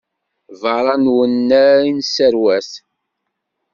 Beṛṛa n unnar i nesserwat.